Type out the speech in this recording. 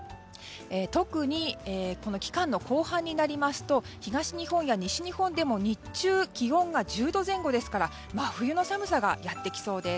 特にこの期間の後半になりますと東日本や西日本でも日中、気温が１０度前後ですから真冬の寒さがやってきそうです。